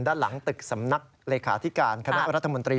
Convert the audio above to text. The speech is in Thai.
ด้านหลังตึกสำนักเลขาธิการคณะรัฐมนตรี